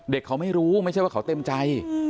เขาไม่รู้ไม่ใช่ว่าเขาเต็มใจ